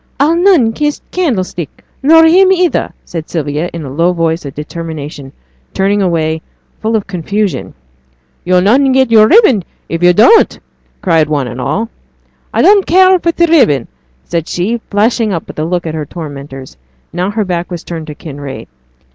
'I'll none kiss t' candlestick, nor him either,' said Sylvia, in a low voice of determination, turning away, full of confusion. 'Yo'll not get yo'r ribbon if yo' dunnot,' cried one and all. 'I don't care for t' ribbon,' said she, flashing up with a look at her tormentors, now her back was turned to Kinraid.